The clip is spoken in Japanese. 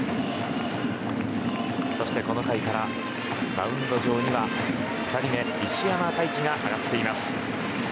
そしてこの回からマウンド上には２人目の石山泰稚が上がっています。